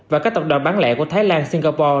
và các tập đoàn bán lẻ của thái lan singapore